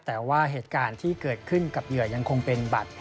แต่ว่าเหตุการณ์ที่เกิดขึ้นกับเหยื่อยังคงเป็นบัตร